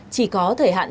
chỉ có thời hạn